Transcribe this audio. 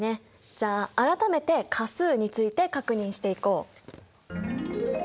じゃあ改めて価数について確認していこう。